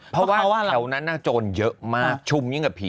เพราะว่าแถวนั้นน่ะโจรเยอะมากชุ่มอย่างกับผี